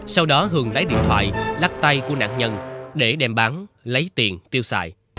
sau đó hường lấy điện thoại lắc tay của nạn nhân để đem bán lấy tiền tiêu xài